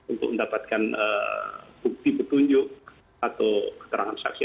untuk mendapatkan bukti petunjuk atau keterangan saksi